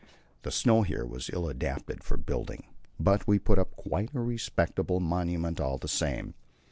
The snow here was ill adapted for building, but we put up quite a respectable monument all the same.